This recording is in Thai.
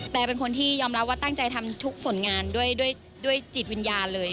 แต่เป็นคนที่ยอมรับว่าตั้งใจทำทุกผลงานด้วยจิตวิญญาณเลย